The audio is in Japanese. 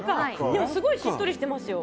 でもすごいしっとりしてますよ